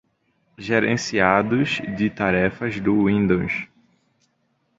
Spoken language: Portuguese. Gerenciados de tarefas do Windows.